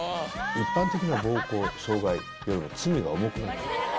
一般的な暴行、傷害よりも罪は重くなる。